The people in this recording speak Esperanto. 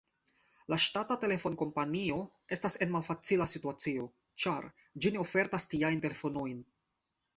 La ŝtata telefonkompanio estas en malfacila situacio, ĉar ĝi ne ofertas tiajn telefonojn.